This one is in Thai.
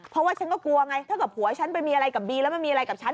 เพราะว่าฉันก็กลัวไงถ้าเกิดผัวฉันไปมีอะไรกับบีแล้วมันมีอะไรกับฉัน